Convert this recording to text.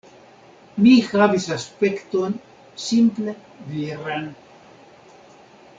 Mi havis aspekton simple viran.